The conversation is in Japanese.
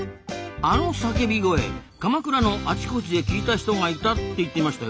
あの叫び声鎌倉のあちこちで聞いた人がいたって言ってましたよね？